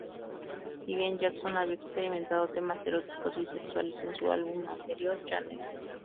Si bien Jackson había experimentado temas eróticos y sexuales en su álbum anterior "janet.